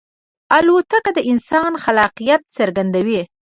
الوتکه د انسان خلاقیت څرګندوي.